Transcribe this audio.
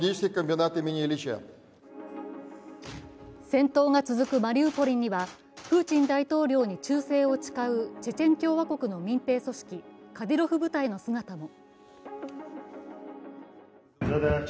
戦闘が続くマリウポリにはプーチン大統領に忠誠を誓うチェチェン共和国の民兵組織カディロフ部隊の姿も。